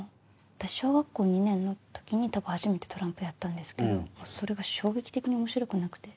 私小学校２年の時に多分初めてトランプやったんですけどそれが衝撃的に面白くなくて。